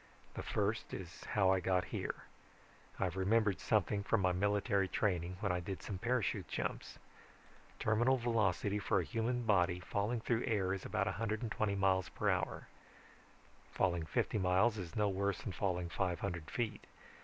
The first is how I got here. I've remembered something from my military training, when I did some parachute jumps. Terminal velocity for a human body falling through air is about one hundred twenty m.p.h. Falling fifty miles is no worse than falling five hundred feet.